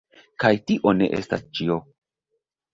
Kaj tio ne estas ĉio!